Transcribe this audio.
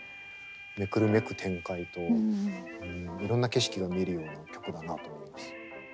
めくるめく展開といろんな景色が見えるような曲だなと思います。